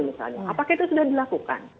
misalnya apakah itu sudah dilakukan